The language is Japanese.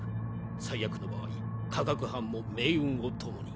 最悪の場合科学班も命運を共に。